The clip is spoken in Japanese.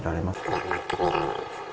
いや、全く見られないですね。